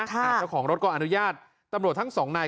เจ้าของรถก็อนุญาตตำรวจทั้งสองนาย